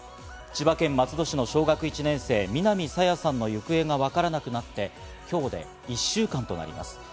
千葉県松戸市の小学１年生・南朝芽さんの行方がわからなくなって今日で１週間となります。